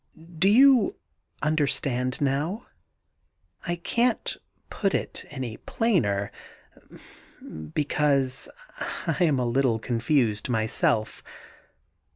... Do you understand now ? I can't put it any plainer, because I am a little confused myself.